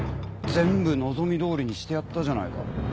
全部望みどおりにしてやったじゃないか。